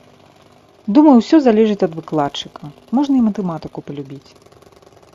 Думаю, усё залежыць ад выкладчыка, можна і матэматыку палюбіць.